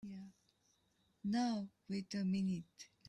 Now wait a minute!